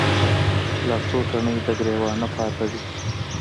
لا څــــو تڼۍ د ګــــــرېوانه پاتـې دي